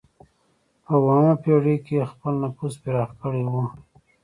په اوومه پېړۍ کې یې خپل نفوذ پراخ کړی و.